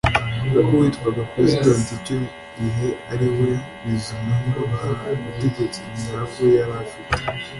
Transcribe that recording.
kuko uwitwaga President icyo gihe ariwe Bizimungu nta butegetsi nyabwo yari afite